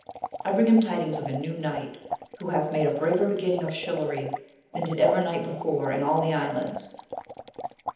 — I bring him tidings of a new knight, who hath made a braver beginning of chivalry than did ever knight before in all the islands.